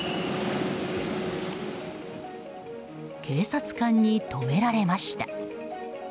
警察官に止められました。